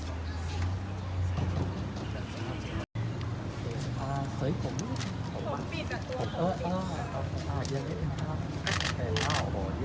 โอ้สูงมากเลย